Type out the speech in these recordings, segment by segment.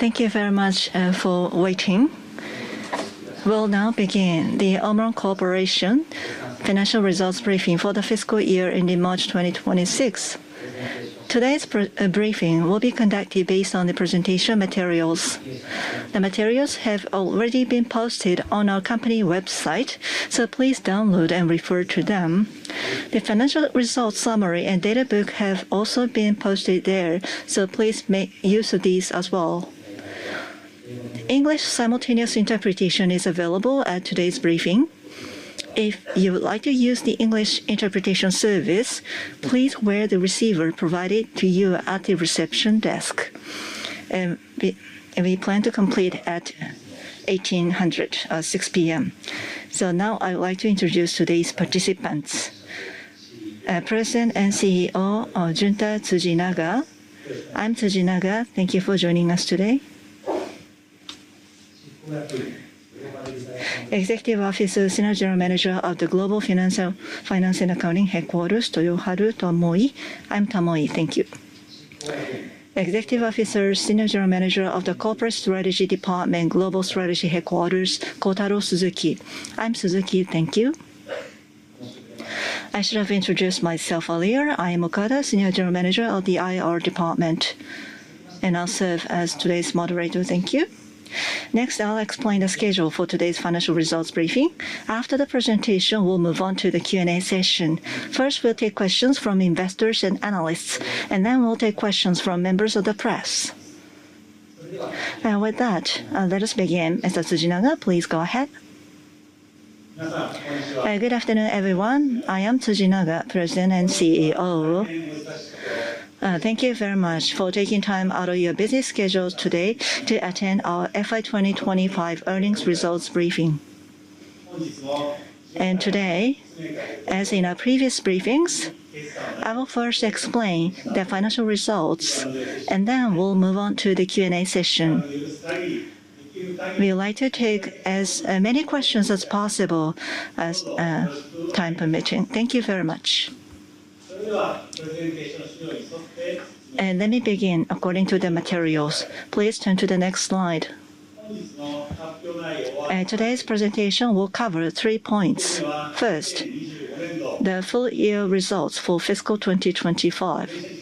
Thank you very much for waiting. We'll now begin the OMRON Corporation financial results briefing for the fiscal year ending March 2026. Today's briefing will be conducted based on the presentation materials. The materials have already been posted on our company website, please download and refer to them. The financial results summary and data book have also been posted there, please make use of these as well. English simultaneous interpretation is available at today's briefing. If you would like to use the English interpretation service, please wear the receiver provided to you at the reception desk. We plan to complete at 6:00 P.M. I would like to introduce today's participants. President and CEO, Junta Tsujinaga. I'm Tsujinaga. Thank you for joining us today. Good afternoon. Executive Officer, Senior General Manager of the Global Finance and Accounting Headquarters, Toyoharu Tamoi. I'm Tamoi. Thank you. Executive Officer, Senior General Manager of the Corporate Strategy Department, Global Strategy Headquarters, Kotaro Suzuki. I'm Suzuki. Thank you. I should have introduced myself earlier. I am Okada, Senior General Manager of the IR Department, and I'll serve as today's moderator. Thank you. Next, I'll explain the schedule for today's financial results briefing. After the presentation, we'll move on to the Q&A session. First, we'll take questions from investors and analysts, and then we'll take questions from members of the press. Now with that, let us begin. Mr. Tsujinaga, please go ahead. Good afternoon, good afternoon, everyone. I am Tsujinaga, President and CEO. Thank you. Thank you very much for taking time out of your busy schedule today to attend our FY2025 earnings results briefing. Today, as in our previous briefings, I will first explain the financial results, and then we'll move on to the Q&A session. We would like to take as many questions as possible as time permitting. Thank you very much. Let me begin according to the materials. Please turn to the next slide. Today's presentation will cover three points. First, the full year results for fiscal 2025.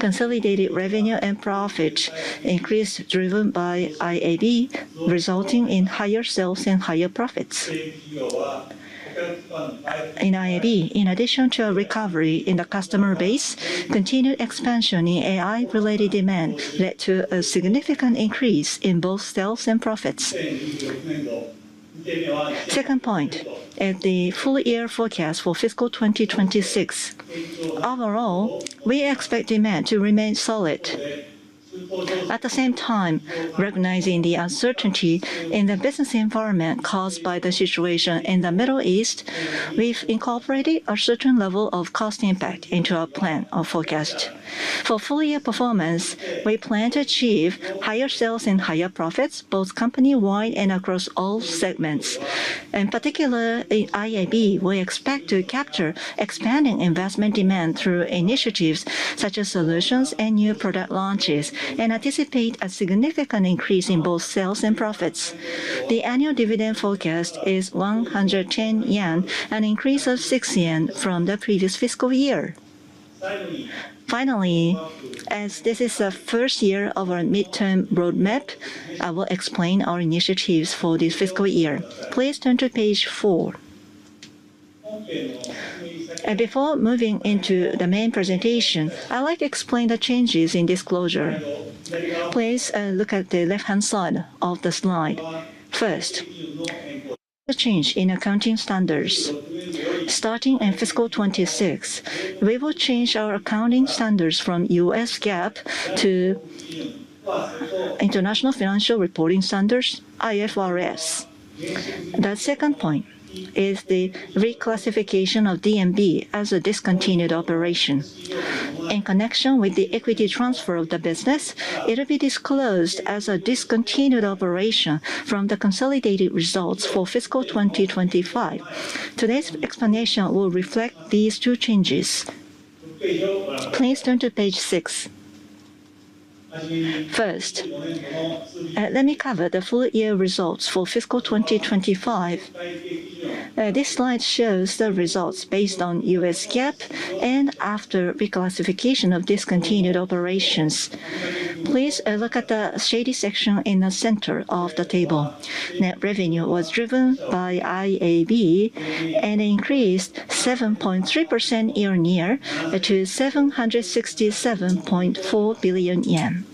Consolidated revenue and profit increased, driven by IAB, resulting in higher sales and higher profits. In IAB, in addition to a recovery in the customer base, continued expansion in AI-related demand led to a significant increase in both sales and profits. Second point, at the full year forecast for fiscal 2026. Overall, we expect demand to remain solid. At the same time, recognizing the uncertainty in the business environment caused by the situation in the Middle East, we've incorporated a certain level of cost impact into our plan or forecast. For full year performance, we plan to achieve higher sales and higher profits, both company-wide and across all segments. In particular, in IAB, we expect to capture expanding investment demand through initiatives such as solutions and new product launches, and anticipate a significant increase in both sales and profits. The annual dividend forecast is 110 yen, an increase of 6 yen from the previous fiscal year. Finally, as this is the first year of our midterm roadmap, I will explain our initiatives for this fiscal year. Please turn to page four. Before moving into the main presentation, I'd like to explain the changes in disclosure. Please look at the left-hand side of the slide. First, the change in accounting standards. Starting in fiscal 2026, we will change our accounting standards from US GAAP to International Financial Reporting Standards, IFRS. The second point is the reclassification of DMB as a discontinued operation. In connection with the equity transfer of the business, it'll be disclosed as a discontinued operation from the consolidated results for fiscal 2025. Today's explanation will reflect these two changes. Please turn to page six. First, let me cover the full year results for fiscal 2025. This slide shows the results based on US GAAP and after reclassification of discontinued operations. Please look at the shaded section in the center of the table. Net revenue was driven by IAB and increased 7.3% year on year to 767.4 billion yen.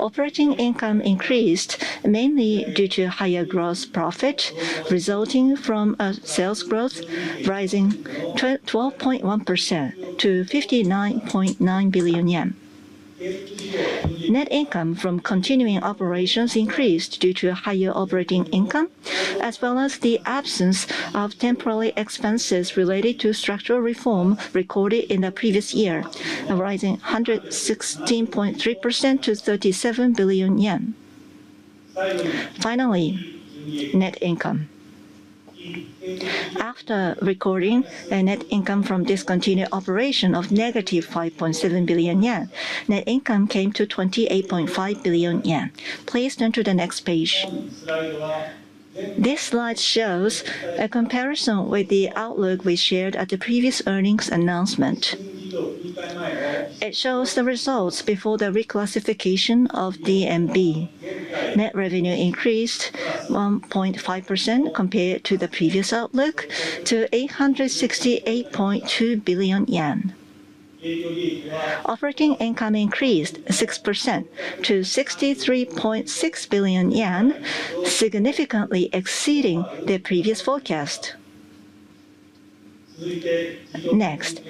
Operating income increased mainly due to higher gross profit resulting from a sales growth rising 12.1% to 59.9 billion yen. Net income from continuing operations increased due to higher operating income, as well as the absence of temporary expenses related to structural reform recorded in the previous year, rising 116.3% to JPY 37 billion. Finally, net income. After recording a net income from discontinued operation of negative 5.7 billion yen, net income came to 28.5 billion yen. Please turn to the next page. This slide shows a comparison with the outlook we shared at the previous earnings announcement. It shows the results before the reclassification of DMB. Net revenue increased 1.5% compared to the previous outlook to 868.2 billion yen. Operating income increased 6% to 63.6 billion yen, significantly exceeding the previous forecast. Next,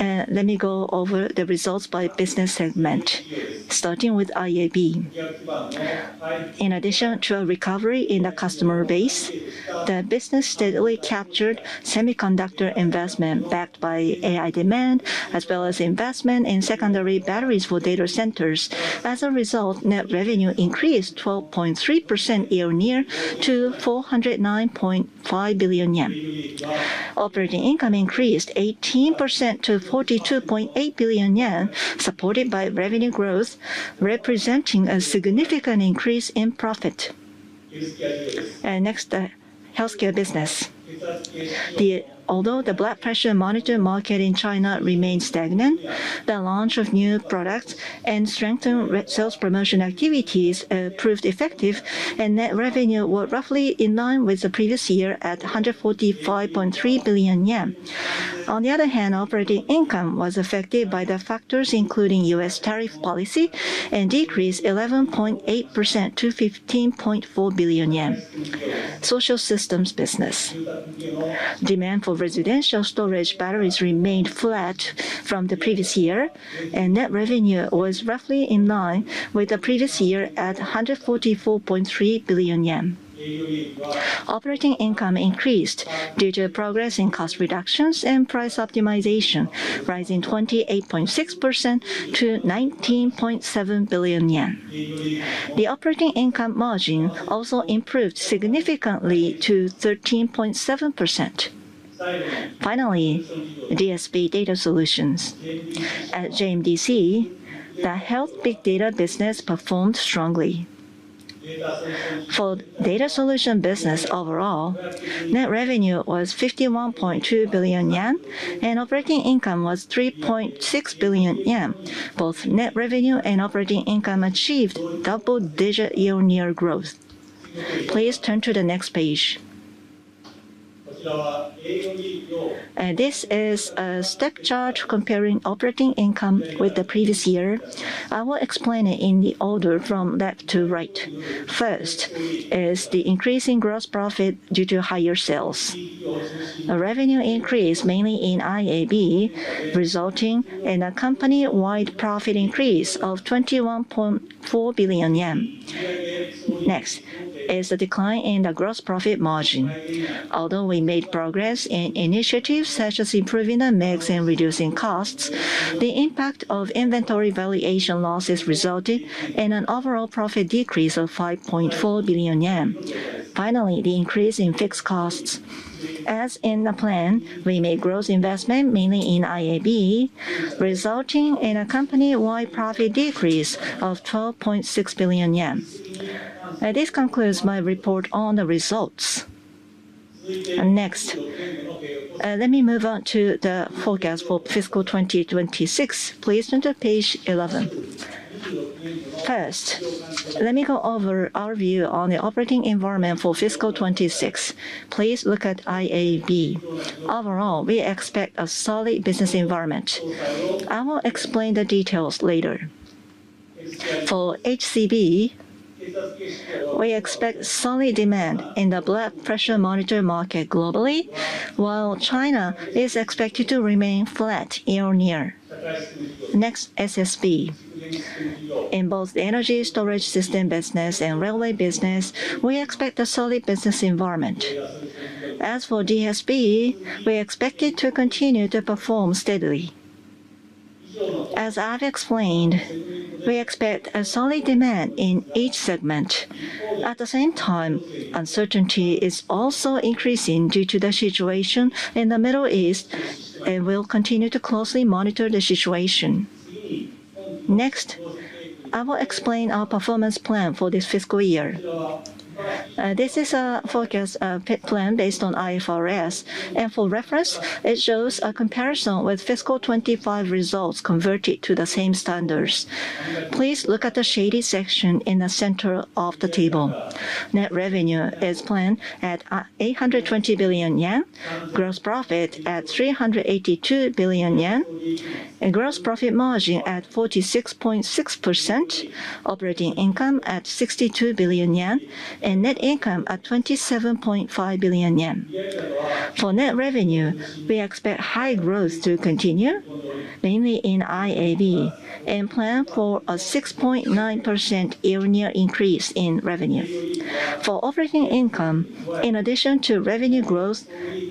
let me go over the results by business segment, starting with IAB. In addition to a recovery in the customer base, the business steadily captured semiconductor investment backed by AI demand as well as investment in secondary batteries for data centers. As a result, net revenue increased 12.3% year-on-year to 409.5 billion yen. Operating income increased 18% to 42.8 billion yen, supported by revenue growth representing a significant increase in profit. Next, Healthcare Business. Although the blood pressure monitor market in China remains stagnant, the launch of new products and strengthened sales promotion activities proved effective, and net revenue were roughly in line with the previous year at 145.3 billion yen. On the other hand, operating income was affected by the factors including U.S. tariff policy and decreased 11.8% to 15.4 billion yen. Social systems business. Demand for residential storage batteries remained flat from the previous year, and net revenue was roughly in line with the previous year at 144.3 billion yen. Operating income increased due to progress in cost reductions and price optimization, rising 28.6% to 19.7 billion yen. The operating income margin also improved significantly to 13.7%. Finally, DSB data solutions. At JMDC, the health big data business performed strongly. For data solution business overall, net revenue was 51.2 billion yen and operating income was 3.6 billion yen. Both net revenue and operating income achieved double-digit year-over-year growth. Please turn to the next page. This is a step chart comparing operating income with the previous year. I will explain it in the order from left to right. First is the increase in gross profit due to higher sales. A revenue increase mainly in IAB resulting in a company-wide profit increase of 21.4 billion yen. Next is the decline in the gross profit margin. Although we made progress in initiatives such as improving the mix and reducing costs, the impact of inventory valuation losses resulted in an overall profit decrease of 5.4 billion yen. Finally, the increase in fixed costs. As in the plan, we made gross investment mainly in IAB, resulting in a company-wide profit decrease of 12.6 billion yen. This concludes my report on the results. Let me move on to the forecast for fiscal FY2026. Please turn to page 11. Let me go over our view on the operating environment for fiscal FY2026. Please look at IAB. Overall, we expect a solid business environment. I will explain the details later. For HCB, we expect solid demand in the blood pressure monitor market globally, while China is expected to remain flat year on year. Next, SSB. In both energy storage system business and railway business, we expect a solid business environment. As for DSB, we expect it to continue to perform steadily. As I've explained, we expect a solid demand in each segment. At the same time, uncertainty is also increasing due to the situation in the Middle East and will continue to closely monitor the situation. Next, I will explain our performance plan for this fiscal year. This is a forecast, plan based on IFRS, and for reference, it shows a comparison with FY 2025 results converted to the same standards. Please look at the shaded section in the center of the table. Net revenue is planned at 820 billion yen, gross profit at 382 billion yen, and gross profit margin at 46.6%, operating income at 62 billion yen, and net income at 27.5 billion yen. For net revenue, we expect high growth to continue, mainly in IAB, and plan for a 6.9% year-on-year increase in revenue. For operating income, in addition to revenue growth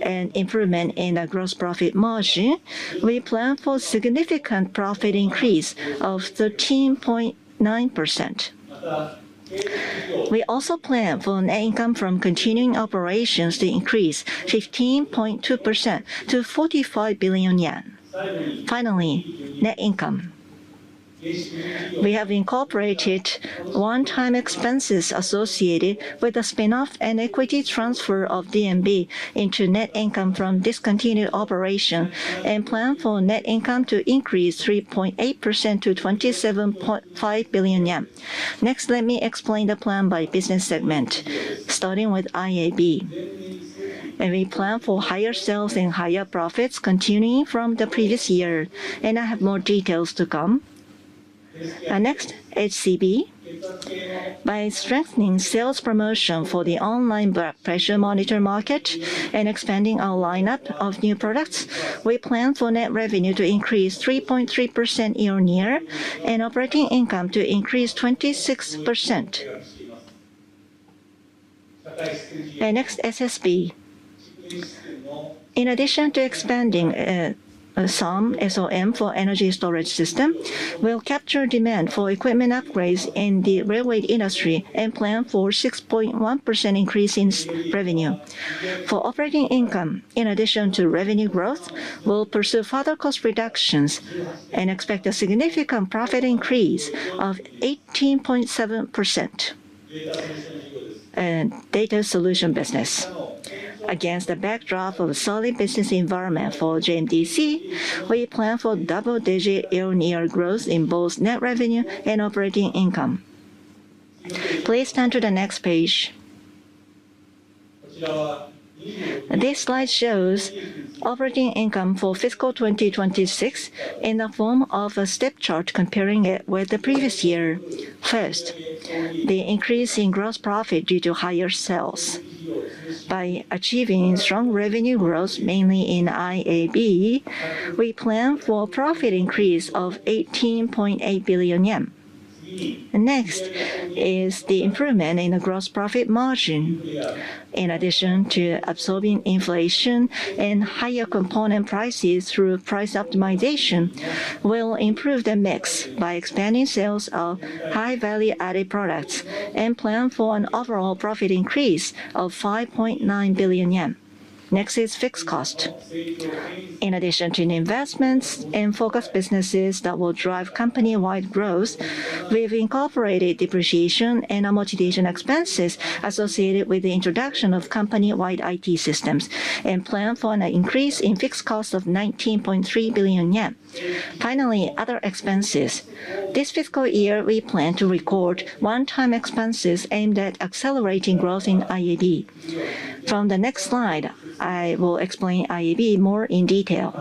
and improvement in the gross profit margin, we plan for significant profit increase of 13.9%. We also plan for net income from continuing operations to increase 15.2% to 45 billion yen. Finally, net income. We have incorporated one-time expenses associated with the spin-off and equity transfer of DMB into net income from discontinued operation. We plan for net income to increase 3.8% to 27.5 billion yen. Next, let me explain the plan by business segment, starting with IAB. We plan for higher sales and higher profits continuing from the previous year. I have more details to come. Next, HCB. By strengthening sales promotion for the online blood pressure monitor market and expanding our lineup of new products, we plan for net revenue to increase 3.3% year-over-year and operating income to increase 26%. Next, SSB. In addition to expanding SOM for energy storage system, we'll capture demand for equipment upgrades in the railway industry. We plan for a 6.1% increase in revenue. For operating income, in addition to revenue growth, we'll pursue further cost reductions and expect a significant profit increase of 18.7%. Data Solution Business. Against the backdrop of a solid business environment for JMDC, we plan for double-digit year-on-year growth in both net revenue and operating income. Please turn to the next page. This slide shows operating income for fiscal 2026 in the form of a step chart comparing it with the previous year. First, the increase in gross profit due to higher sales. By achieving strong revenue growth, mainly in IAB, we plan for profit increase of 18.8 billion yen. Next is the improvement in the gross profit margin. In addition to absorbing inflation and higher component prices through price optimization, we'll improve the mix by expanding sales of high value-added products and plan for an overall profit increase of 5.9 billion yen. Next is fixed cost. In addition to investments in focus businesses that will drive company-wide growth, we've incorporated depreciation and amortization expenses associated with the introduction of company-wide IT systems, and plan for an increase in fixed cost of 19.3 billion yen. Finally, other expenses. This fiscal year, we plan to record one-time expenses aimed at accelerating growth in IAB. From the next slide, I will explain IAB more in detail.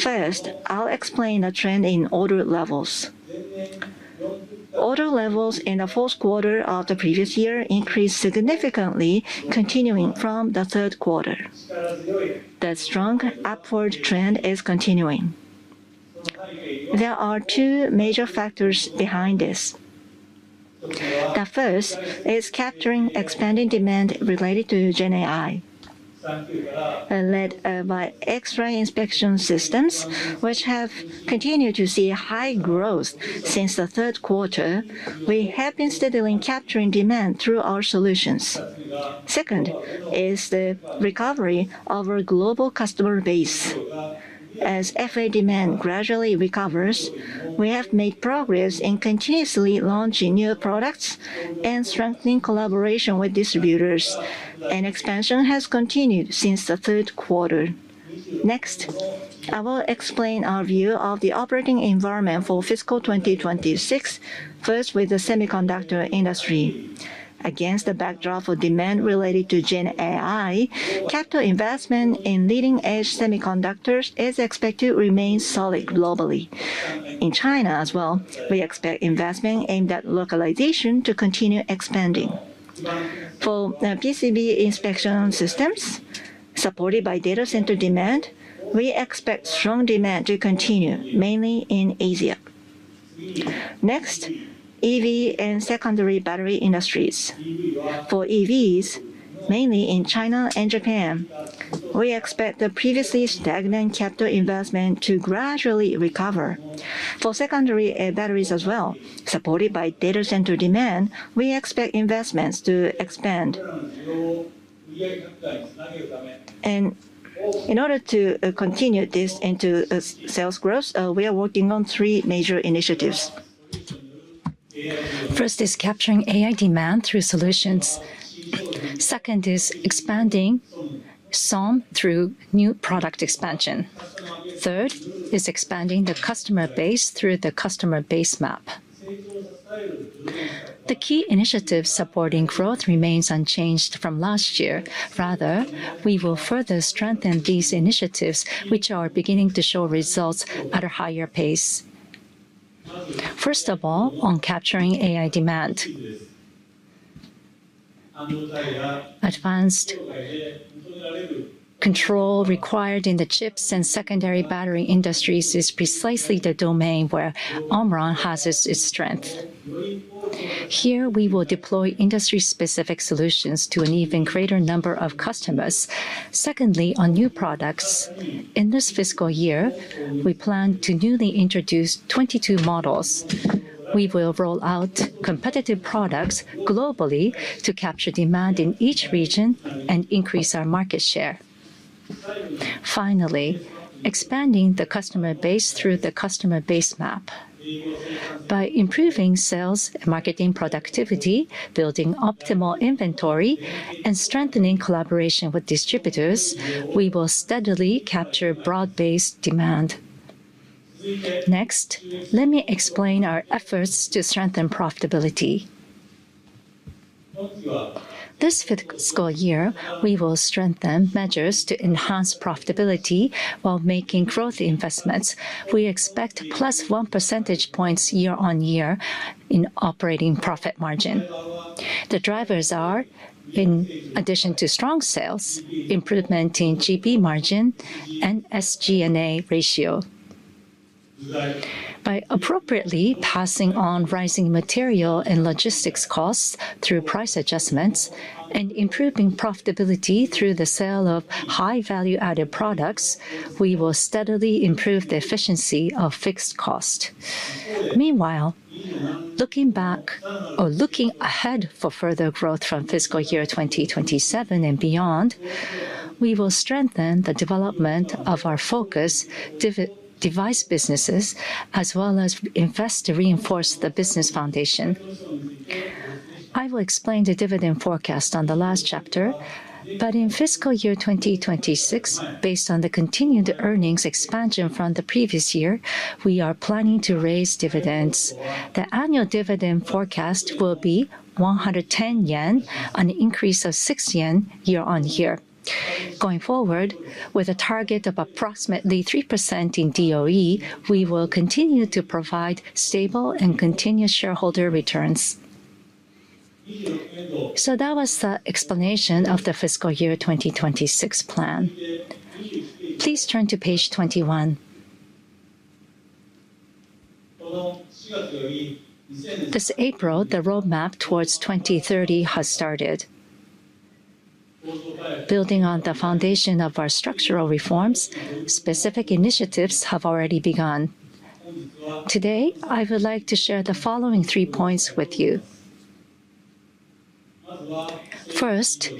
First, I'll explain the trend in order levels. Order levels in the fourth quarter of the previous year increased significantly continuing from the third quarter. The strong upward trend is continuing. There are two major factors behind this. The first is capturing expanding demand related to GenAI, led by X-ray inspection systems, which have continued to see high growth since the Q3. We have been steadily capturing demand through our solutions. Second is the recovery of our global customer base. As FA demand gradually recovers, we have made progress in continuously launching new products and strengthening collaboration with distributors. Expansion has continued since the 3rd quarter. Next, I will explain our view of the operating environment for fiscal 2026, first with the semiconductor industry. Against the backdrop of demand related to GenAI, capital investment in leading-edge semiconductors is expected to remain solid globally. In China as well, we expect investment aimed at localization to continue expanding. For PCB inspection systems, supported by data center demand, we expect strong demand to continue, mainly in Asia. Next, EV and secondary battery industries. For EVs, mainly in China and Japan, we expect the previously stagnant capital investment to gradually recover. For secondary batteries as well, supported by data center demand, we expect investments to expand. In order to continue this into a sales growth, we are working on three major initiatives. First is capturing AI demand through solutions. Second is expanding SOM through new product expansion. Third is expanding the customer base through the Customer Base Map. The key initiatives supporting growth remains unchanged from last year. Rather, we will further strengthen these initiatives, which are beginning to show results at a higher pace. First of all, on capturing AI demand. Advanced control required in the chips and secondary battery industries is precisely the domain where OMRON harnesses its strength. Here, we will deploy industry-specific solutions to an even greater number of customers. Secondly, on new products, in this fiscal year, we plan to newly introduce 22 models. We will roll out competitive products globally to capture demand in each region and increase our market share. Finally, expanding the customer base through the Customer Base Map. By improving sales and marketing productivity, building optimal inventory, and strengthening collaboration with distributors, we will steadily capture broad-based demand. Next, let me explain our efforts to strengthen profitability. This fiscal year, we will strengthen measures to enhance profitability while making growth investments. We expect +1 percentage points year-on-year in OP margin. The drivers are, in addition to strong sales, improvement in GP margin and SG&A ratio. By appropriately passing on rising material and logistics costs through price adjustments and improving profitability through the sale of high value-added products, we will steadily improve the efficiency of fixed cost. Meanwhile, looking back or looking ahead for further growth from fiscal year 2027 and beyond, we will strengthen the development of our focus device businesses as well as invest to reinforce the business foundation. I will explain the dividend forecast on the last chapter. In fiscal year 2026, based on the continued earnings expansion from the previous year, we are planning to raise dividends. The annual dividend forecast will be 110 yen, an increase of 6 yen year-on-year. Going forward, with a target of approximately 3% in DOE, we will continue to provide stable and continuous shareholder returns. That was the explanation of the fiscal year 2026 plan. Please turn to page 21. This April, the roadmap towards 2030 has started. Building on the foundation of our structural reforms, specific initiatives have already begun. Today, I would like to share the following three points with you. First,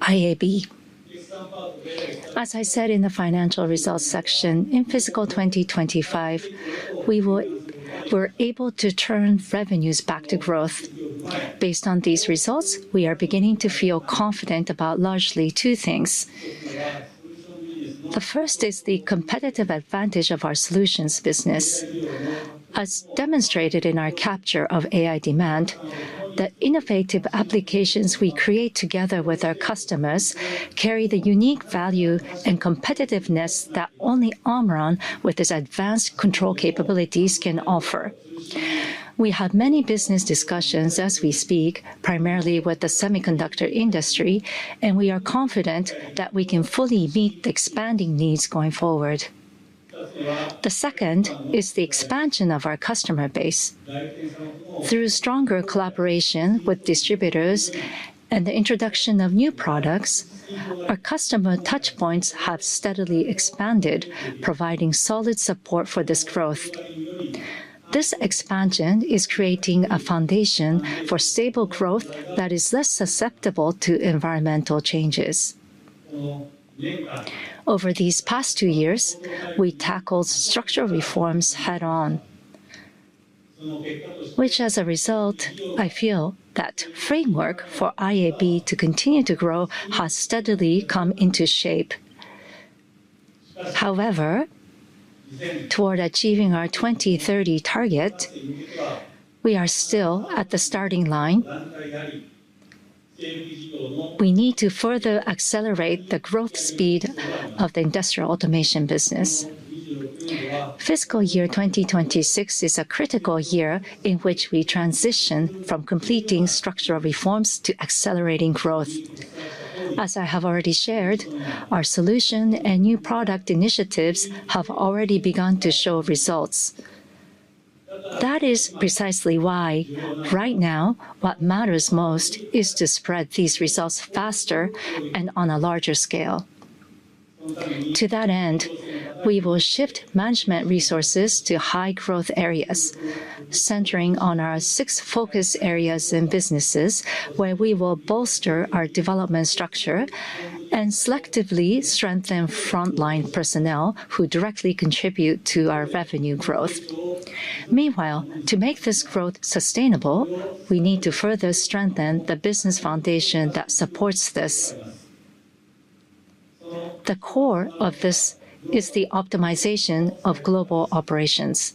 IAB. As I said in the financial results section, in fiscal 2025, we're able to turn revenues back to growth. Based on these results, we are beginning to feel confident about largely two things. The first is the competitive advantage of our solutions business. As demonstrated in our capture of AI demand, the innovative applications we create together with our customers carry the unique value and competitiveness that only OMRON, with its advanced control capabilities, can offer. We have many business discussions as we speak, primarily with the semiconductor industry, and we are confident that we can fully meet the expanding needs going forward. The second is the expansion of our customer base. Through stronger collaboration with distributors and the introduction of new products, our customer touchpoints have steadily expanded, providing solid support for this growth. This expansion is creating a foundation for stable growth that is less susceptible to environmental changes. Over these past two years, we tackled structural reforms head-on, which as a result, I feel that framework for IAB to continue to grow has steadily come into shape. However, toward achieving our 2030 target, we are still at the starting line. We need to further accelerate the growth speed of the industrial automation business. Fiscal year 2026 is a critical year in which we transition from completing structural reforms to accelerating growth. As I have already shared, our solution and new product initiatives have already begun to show results. That is precisely why right now what matters most is to spread these results faster and on a larger scale. To that end, we will shift management resources to high-growth areas, centering on our six focus areas and businesses where we will bolster our development structure and selectively strengthen frontline personnel who directly contribute to our revenue growth. To make this growth sustainable, we need to further strengthen the business foundation that supports this. The core of this is the optimization of global operations.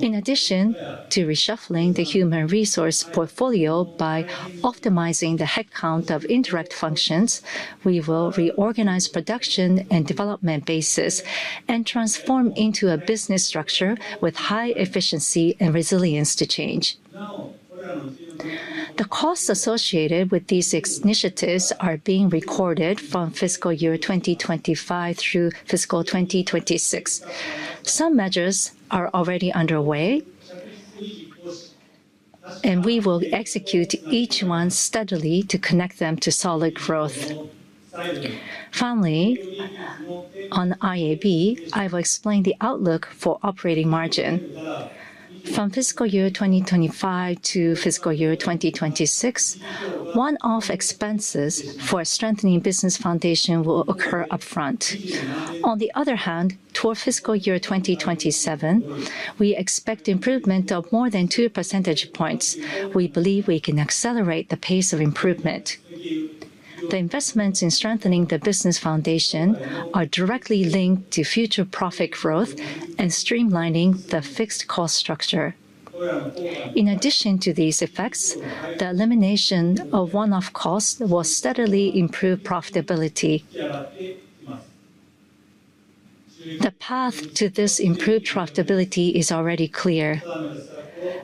In addition to reshuffling the human resource portfolio by optimizing the headcount of indirect functions, we will reorganize production and development bases and transform into a business structure with high efficiency and resilience to change. The costs associated with these initiatives are being recorded from fiscal year 2025 through fiscal 2026. Some measures are already underway. We will execute each one steadily to connect them to solid growth. Finally, on IAB, I've explained the outlook for operating margin. From fiscal year 2025 to fiscal year 2026, one-off expenses for strengthening business foundation will occur upfront. Toward fiscal year 2027, we expect improvement of more than 2 percentage points. We believe we can accelerate the pace of improvement. The investments in strengthening the business foundation are directly linked to future profit growth and streamlining the fixed cost structure. In addition to these effects, the elimination of one-off costs will steadily improve profitability. The path to this improved profitability is already clear.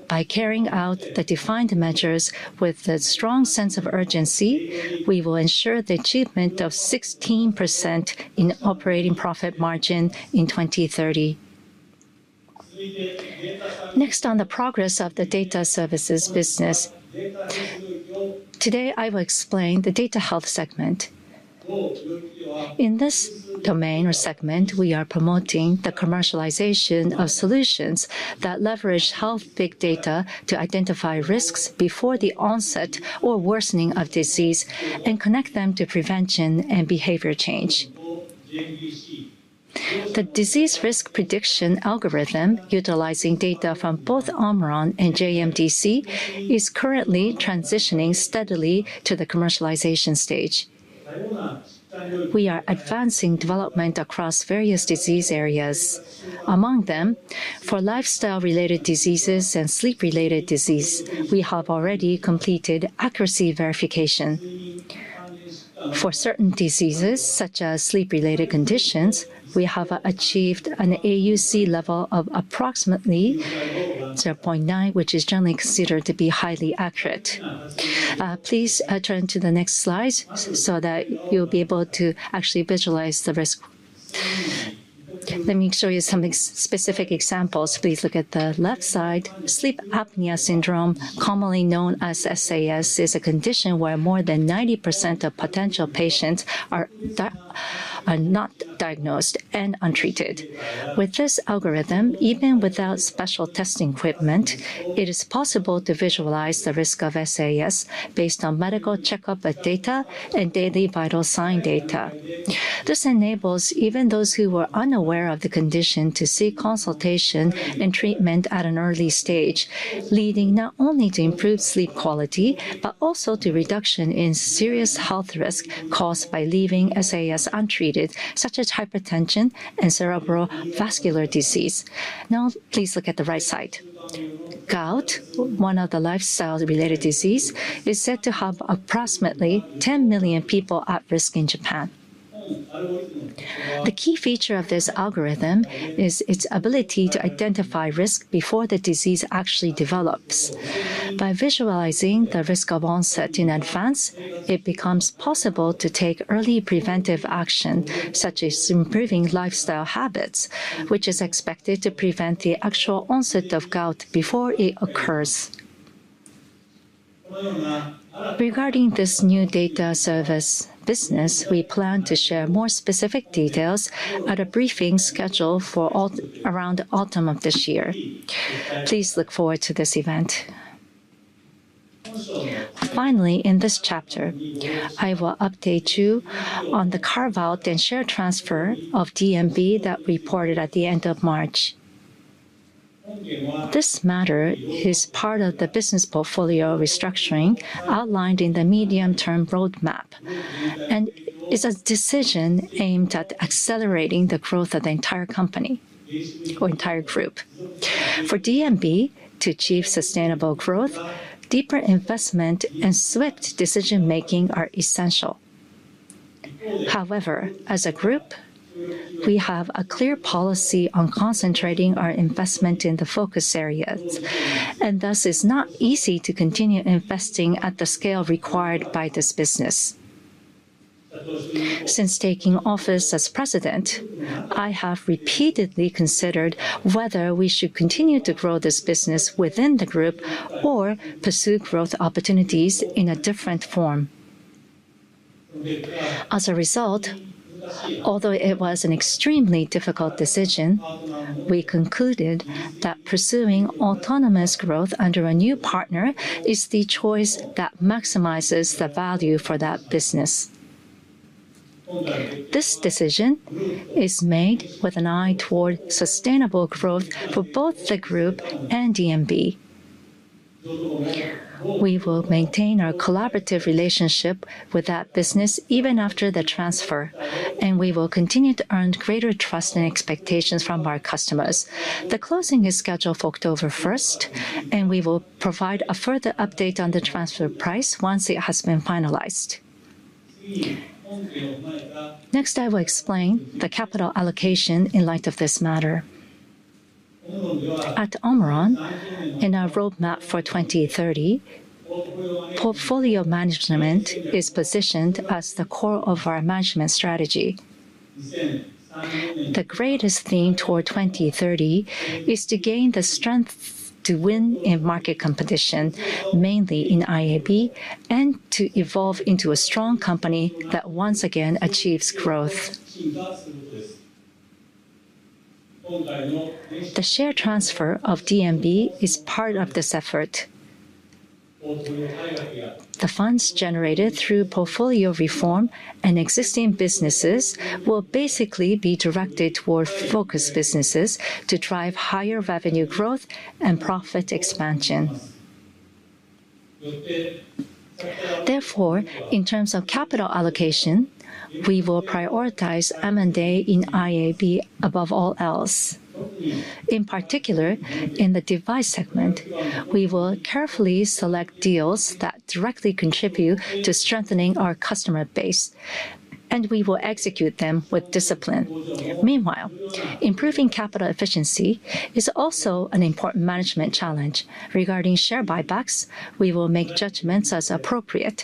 By carrying out the defined measures with a strong sense of urgency, we will ensure the achievement of 16% in operating profit margin in 2030. On the progress of the data services business. Today, I will explain the data health segment. In this domain or segment, we are promoting the commercialization of solutions that leverage health big data to identify risks before the onset or worsening of disease and connect them to prevention and behavior change. The disease risk prediction algorithm utilizing data from both OMRON and JMDC is currently transitioning steadily to the commercialization stage. We are advancing development across various disease areas. Among them, for lifestyle related diseases and sleep related disease, we have already completed accuracy verification. For certain diseases, such as sleep related conditions, we have achieved an AUC level of approximately 0.9, which is generally considered to be highly accurate. Please turn to the next slide so that you'll be able to actually visualize the risk. Let me show you some specific examples. Please look at the left side. Sleep apnea syndrome, commonly known as SAS, is a condition where more than 90% of potential patients are not diagnosed and untreated. With this algorithm, even without special testing equipment, it is possible to visualize the risk of SAS based on medical checkup data and daily vital sign data. This enables even those who were unaware of the condition to seek consultation and treatment at an early stage, leading not only to improved sleep quality, but also to reduction in serious health risk caused by leaving SAS untreated, such as hypertension and cerebral vascular disease. Now, please look at the right side. Gout, one of the lifestyle related disease, is said to have approximately 10 million people at risk in Japan. The key feature of this algorithm is its ability to identify risk before the disease actually develops. By visualizing the risk of onset in advance, it becomes possible to take early preventive action, such as improving lifestyle habits, which is expected to prevent the actual onset of gout before it occurs. Regarding this new data service business, we plan to share more specific details at a briefing scheduled for around autumn of this year. Please look forward to this event. Finally, in this chapter, I will update you on the carve-out and share transfer of DMB that reported at the end of March. This matter is part of the business portfolio restructuring outlined in the medium-term roadmap, and is a decision aimed at accelerating the growth of the entire company or entire group. For DMB to achieve sustainable growth, deeper investment and swift decision-making are essential. However, as a group, we have a clear policy on concentrating our investment in the focus areas, and thus it's not easy to continue investing at the scale required by this business. Since taking office as president, I have repeatedly considered whether we should continue to grow this business within the group or pursue growth opportunities in a different form. As a result, although it was an extremely difficult decision, we concluded that pursuing autonomous growth under a new partner is the choice that maximizes the value for that business. This decision is made with an eye toward sustainable growth for both the group and DMB. We will maintain our collaborative relationship with that business even after the transfer, and we will continue to earn greater trust and expectations from our customers. The closing is scheduled for October 1st, and we will provide a further update on the transfer price once it has been finalized. Next, I will explain the capital allocation in light of this matter. At OMRON, in our roadmap for 2030, portfolio management is positioned as the core of our management strategy. The greatest theme toward 2030 is to gain the strength to win in market competition, mainly in IAB, and to evolve into a strong company that once again achieves growth. The share transfer of DMB is part of this effort. The funds generated through portfolio reform and existing businesses will basically be directed toward focused businesses to drive higher revenue growth and profit expansion. Therefore, in terms of capital allocation, we will prioritize M&A in IAB above all else. In particular, in the device segment, we will carefully select deals that directly contribute to strengthening our customer base, and we will execute them with discipline. Meanwhile, improving capital efficiency is also an important management challenge. Regarding share buybacks, we will make judgments as appropriate,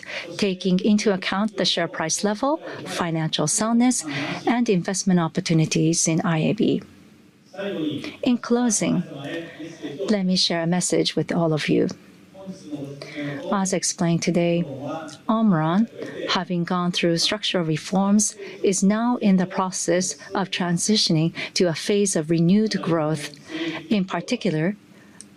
taking into account the share price level, financial soundness, and investment opportunities in IAB. In closing, let me share a message with all of you. As explained today, OMRON, having gone through structural reforms, is now in the process of transitioning to a phase of renewed growth. In particular,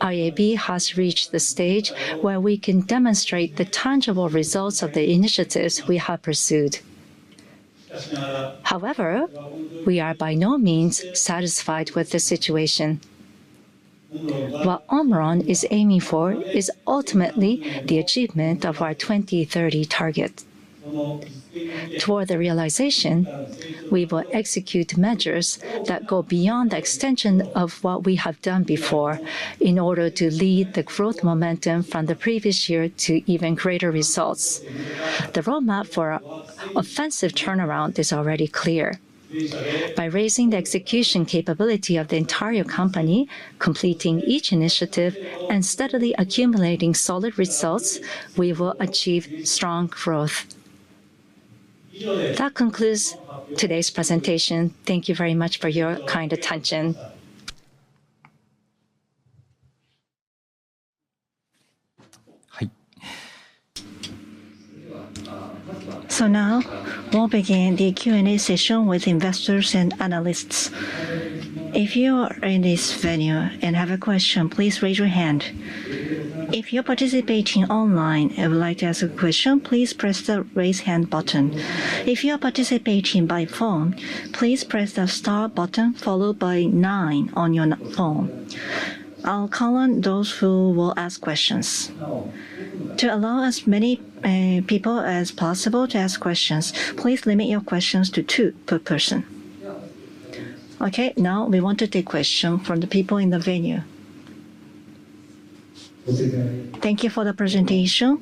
IAB has reached the stage where we can demonstrate the tangible results of the initiatives we have pursued. We are by no means satisfied with the situation. What OMRON is aiming for is ultimately the achievement of our 2030 target. Toward the realization, we will execute measures that go beyond the extension of what we have done before in order to lead the growth momentum from the previous year to even greater results. The roadmap for a offensive turnaround is already clear. By raising the execution capability of the entire company, completing each initiative, and steadily accumulating solid results, we will achieve strong growth. That concludes today's presentation. Thank you very much for your kind attention. Now we'll begin the Q&A session with investors and analysts. If you are in this venue and have a question, please raise your hand. If you're participating online and would like to ask a question, please press the Raise Hand button. If you are participating by phone, please press the star button followed by nine on your phone. I'll call on those who will ask questions. To allow as many people as possible to ask questions, please limit your questions to two per person. Now we want to take questions from the people in the venue. Thank you for the presentation.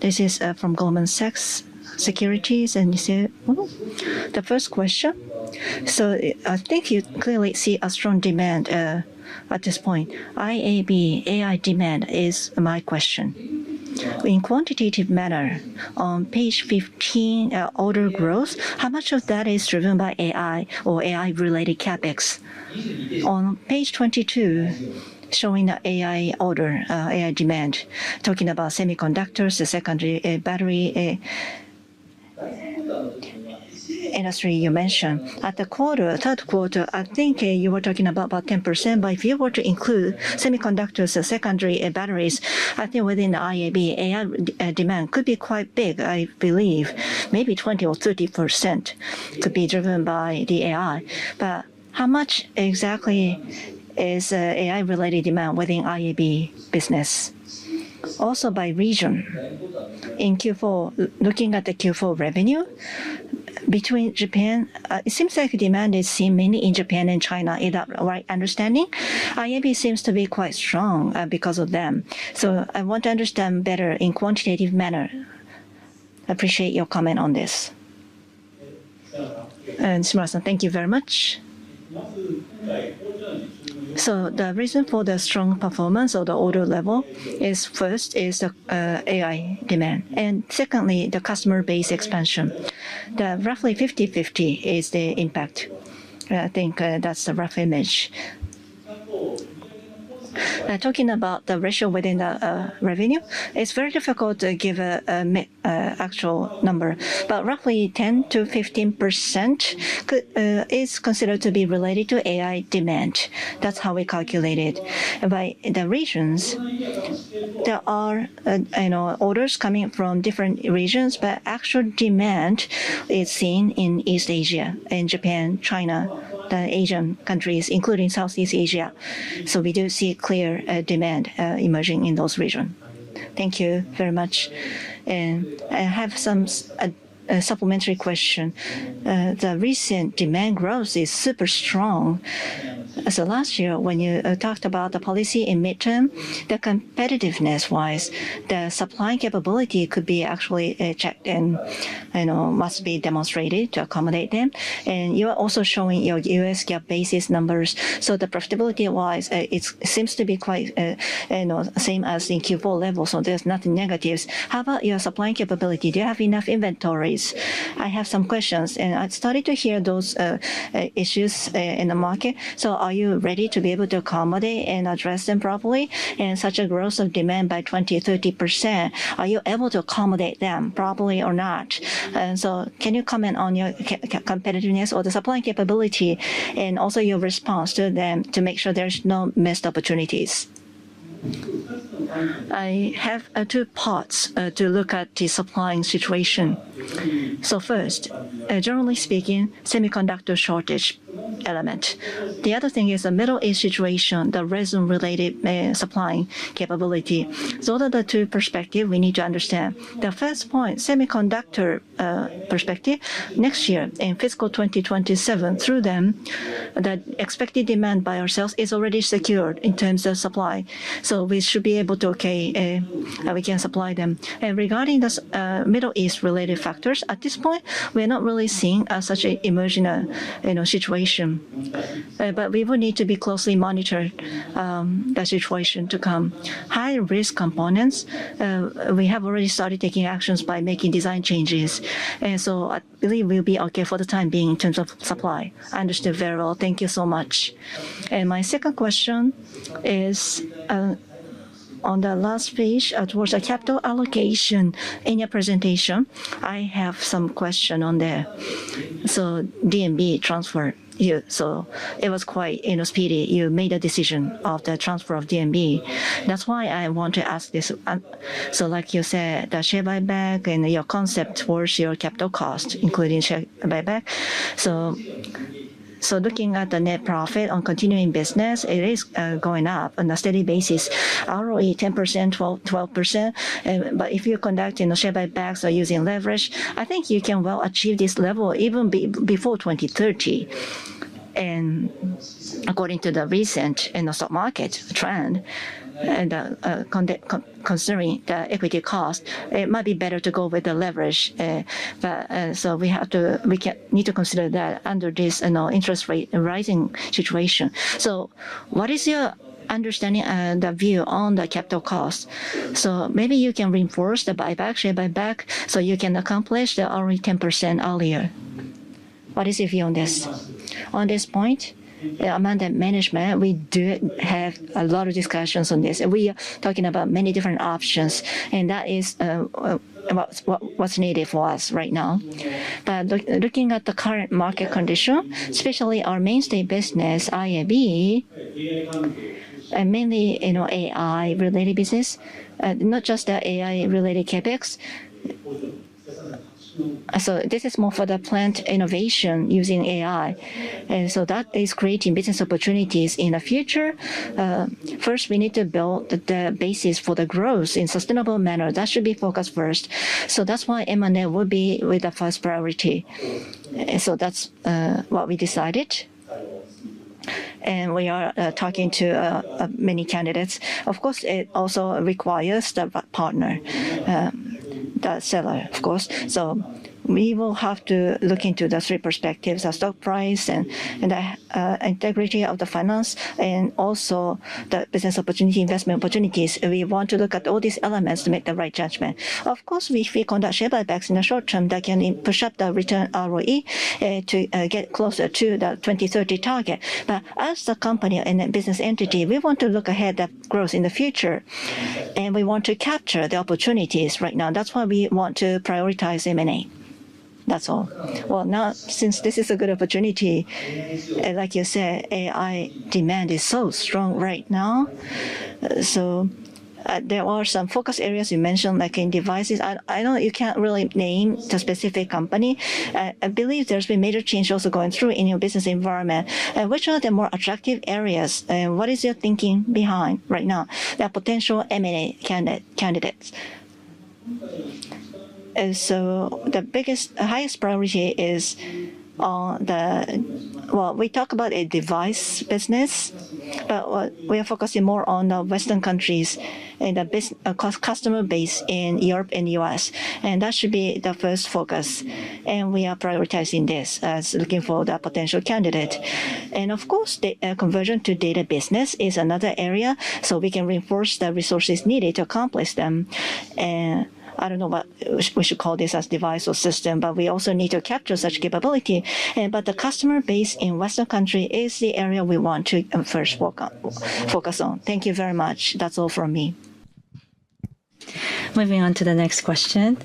This is from Goldman Sachs Japan Co., Ltd., this is the first question. I think you clearly see a strong demand at this point. IAB AI demand is my question. In quantitative manner, on page 15, order growth, how much of that is driven by AI or AI-related CapEx? On page 22, showing the AI order, AI demand, talking about semiconductors, the secondary batteries industry you mentioned. At the quarter, third quarter, I think, you were talking about 10%, if you were to include semiconductors or secondary batteries, I think within IAB, AI demand could be quite big, I believe. Maybe 20% or 30% could be driven by the AI. How much exactly is AI-related demand within IAB business? Also by region. In Q4, looking at the Q4 revenue, between Japan, it seems like demand is seen mainly in Japan and China. Is that the right understanding? IAB seems to be quite strong, because of them. I want to understand better in quantitative manner. Appreciate your comment on this. Shimura-san, thank you very much. The reason for the strong performance of the order level is first is the AI demand, and secondly, the customer base expansion. The roughly 50/50 is the impact. I think that's the rough image. Now talking about the ratio within the revenue, it's very difficult to give a actual number, but roughly 10%-15% is considered to be related to AI demand. That's how we calculate it. By the regions, there are, you know, orders coming from different regions, but actual demand is seen in East Asia, in Japan, China, the Asian countries, including Southeast Asia. We do see clear demand emerging in those region. Thank you very much. I have some supplementary question. The recent demand growth is super strong. Last year when you talked about the policy in midterm, the competitiveness-wise, the supply capability could be actually checked and, you know, must be demonstrated to accommodate them. You are also showing your US GAAP basis numbers. The profitability-wise, it's seems to be quite, you know, same as in Q4 level, so there's nothing negatives. How about your supply capability? Do you have enough inventories? I have some questions, and I'd started to hear those issues in the market. Are you ready to be able to accommodate and address them properly? In such a growth of demand by 20%, 30%, are you able to accommodate them properly or not? Can you comment on your competitiveness or the supply capability and also your response to them to make sure there's no missed opportunities? I have two parts to look at the supplying situation. First, generally speaking, semiconductor shortage element. The other thing is the Middle East situation, the resin related, supplying capability. Those are the two perspective we need to understand. The first point, semiconductor, perspective. Next year in fiscal 2027, through them, the expected demand by ourselves is already secured in terms of supply. We should be able to okay, that we can supply them. Regarding this, Middle East related factors, at this point we're not really seeing such a emerging, you know, situation. We will need to be closely monitor the situation to come. High risk components, we have already started taking actions by making design changes. I believe we'll be okay for the time being in terms of supply. I understand very well. Thank you so much. My second question is on the last page towards the capital allocation in your presentation. I have some question on there. DMB transfer, you know, it was quite speedy. You made a decision of the transfer of DMB. That's why I want to ask this. Like you said, the share buyback and your concept towards your capital cost, including share buyback. Looking at the net profit on continuing business, it is going up on a steady basis, ROE 10%, 12%. But if you're conducting the share buybacks or using leverage, I think you can well achieve this level even before 2030. According to the recent in the stock market trend and, considering the equity cost, it might be better to go with the leverage. But we need to consider that under this, you know, interest rate rising situation. What is your understanding and view on the capital cost? Maybe you can reinforce the buyback, share buyback, so you can accomplish the ROE 10% earlier. What is your view on this? On this point, among the management, we do have a lot of discussions on this, and we are talking about many different options and that is what's needed for us right now. Looking at the current market condition, especially our mainstay business, IAB, and mainly, you know, AI related business, not just the AI related CapEx. This is more for the plant innovation using AI, that is creating business opportunities in the future. First we need to build the basis for the growth in sustainable manner. That should be focused first. That's why M&A will be with the first priority. That's what we decided. We are talking to many candidates. Of course, it also requires the partner, the seller of course. We will have to look into the three perspectives, the stock price and the integrity of the finance and also the business opportunity, investment opportunities. We want to look at all these elements to make the right judgment. Of course, if we conduct share buybacks in the short term, that can push up the return ROE to get closer to the 2030 target. As the company and a business entity, we want to look ahead at growth in the future, and we want to capture the opportunities right now. That's why we want to prioritize M&A. That's all. Well, now since this is a good opportunity, like you said, AI demand is so strong right now. There are some focus areas you mentioned like in devices. I know you can't really name the specific company. I believe there's been major change also going through in your business environment. Which are the more attractive areas, and what is your thinking behind right now the potential M&A candidates? The biggest, highest priority is we talk about a device business, but what we are focusing more on the Western countries and the customer base in Europe and U.S., that should be the first focus, and we are prioritizing this as looking for the potential candidate. Of course, the conversion to data business is another area, so we can reinforce the resources needed to accomplish them. I don't know what we should call this, as device or system, but we also need to capture such capability. But the customer base in Western country is the area we want to first focus on. Thank you very much. That's all from me. Moving on to the next question.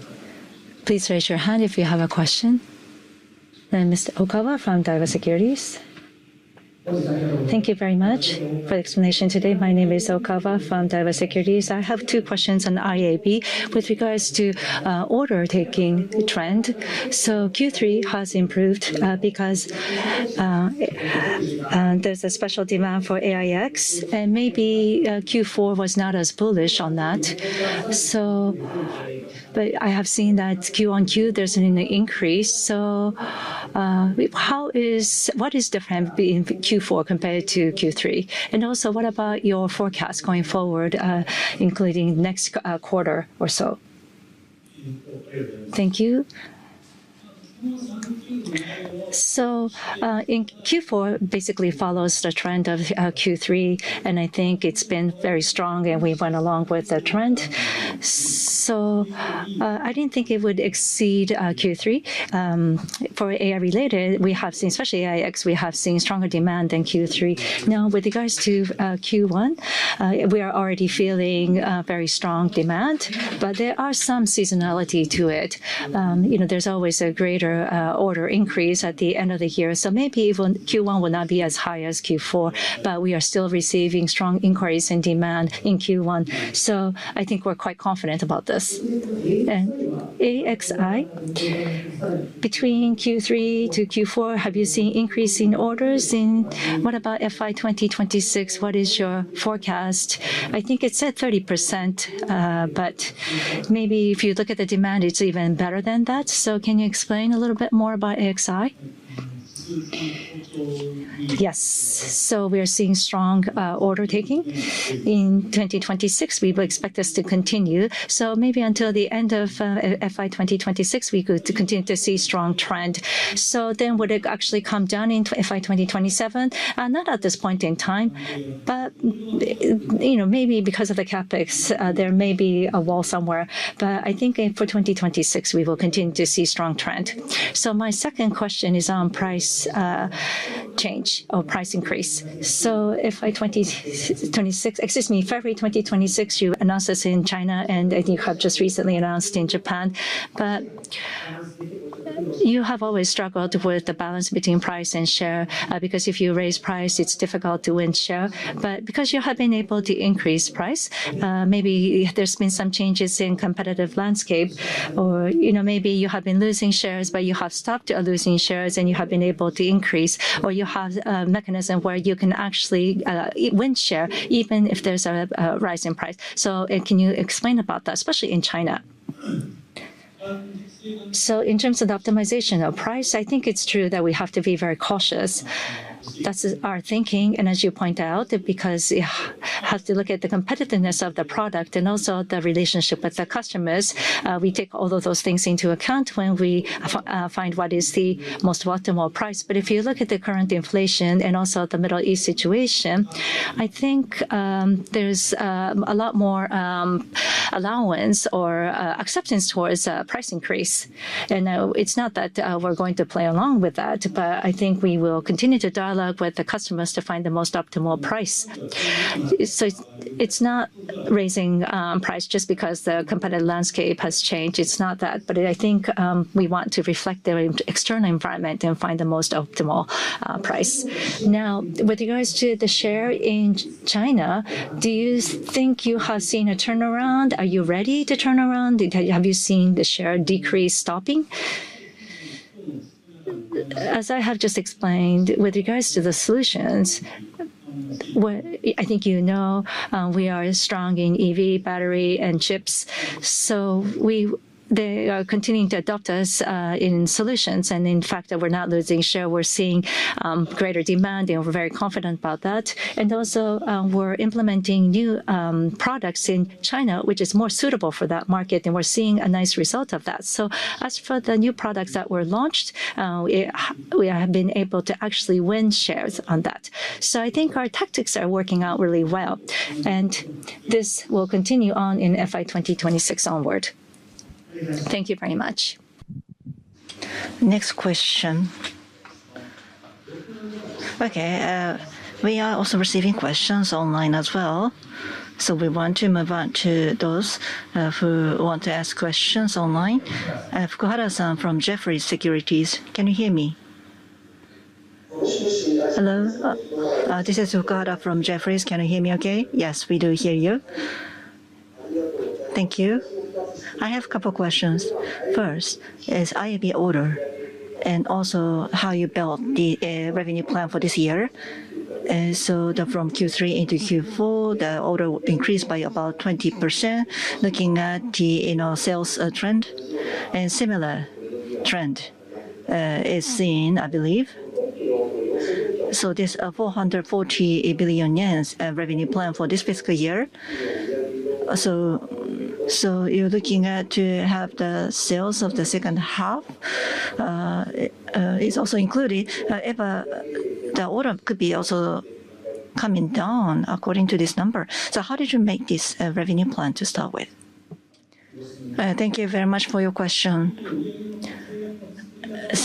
Please raise your hand if you have a question. Mr. Okawa from Daiwa Securities. Thank you very much for the explanation today. My name is Okawa from Daiwa Securities. I have two questions on IAB with regards to order taking trend. Q3 has improved because there's a special demand for AXI, and maybe Q4 was not as bullish on that. I have seen that quarter-on-quarter there's an increase. What is different in Q4 compared to Q3? What about your forecast going forward, including next quarter or so? Thank you. In Q4 basically follows the trend of Q3, and I think it's been very strong and we went along with the trend. I didn't think it would exceed Q3. For AI related we have seen, especially AXI, we have seen stronger demand than Q3. With regards to Q1, we are already feeling very strong demand. There are some seasonality to it. You know, there's always a greater order increase at the end of the year. Maybe even Q1 will not be as high as Q4, we are still receiving strong inquiries and demand in Q1. I think we're quite confident about this. AXI, between Q3 to Q4, have you seen increase in orders in What about FY2026, what is your forecast? I think it said 30%, maybe if you look at the demand it's even better than that. Can you explain a little bit more about AXI? Yes. We're seeing strong order taking. In 2026 we will expect this to continue, maybe until the end of FY2026 we could continue to see strong trend. Would it actually come down in FY 2027? Not at this point in time. You know, maybe because of the CapEx, there may be a wall somewhere. I think for 2026 we will continue to see strong trend. My second question is on price change or price increase. FY2026, excuse me, February 2026 you announced this in China, and I think you have just recently announced in Japan. You have always struggled with the balance between price and share, because if you raise price it's difficult to win share. Because you have been able to increase price, maybe there's been some changes in competitive landscape or, you know, maybe you have been losing shares but you have stopped losing shares and you have been able to increase or you have a mechanism where you can actually win share even if there's a rise in price. Can you explain about that, especially in China? In terms of optimization of price, I think it's true that we have to be very cautious. That's our thinking, and as you point out, because you have to look at the competitiveness of the product and also the relationship with the customers. We take all of those things into account when we find what is the most optimal price. If you look at the current inflation and also the Middle East situation, I think there's a lot more allowance or acceptance towards a price increase. It's not that we're going to play along with that, but I think we will continue to dialogue with the customers to find the most optimal price. It's not raising price just because the competitive landscape has changed. It's not that. I think we want to reflect the external environment and find the most optimal price. With regards to the share in China, do you think you have seen a turnaround? Are you ready to turn around? Have you seen the share decrease stopping? As I have just explained, with regards to the solutions, I think you know, we are as strong in EV battery and chips. We, they are continuing to adopt us in solutions. In fact that we're not losing share, we're seeing greater demand and we're very confident about that. Also, we're implementing new products in China which is more suitable for that market, and we're seeing a nice result of that. As for the new products that were launched, we have been able to actually win shares on that. I think our tactics are working out really well. This will continue on in FY 2026 onward. Thank you very much. Next question. Okay, we are also receiving questions online as well, so we want to move on to those who want to ask questions online. Fukuhara-san from Jefferies Securities, can you hear me? Hello? This is Fukuhara from Jefferies. Can you hear me okay? Yes, we do hear you. Thank you. I have a couple questions. First is IAB order, and also how you built the revenue plan for this year. From Q3 into Q4, the order increased by about 20%. Looking at the, you know, sales trend and similar trend is seen, I believe. There's a 440 billion yen revenue plan for this fiscal year. You're looking at to have the sales of the second half is also included. If the order could be also coming down according to this number. How did you make this revenue plan to start with? Thank you very much for your question.